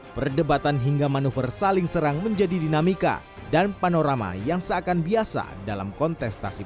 perdebatan hingga manuver saling serang menjadi dinamika dan panorama yang seakan biasa dalam kontestasi politik